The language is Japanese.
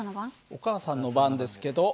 お母さんの番ですけど。